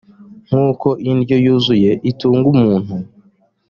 nk’uko indyo yuzuyeitunga umuntu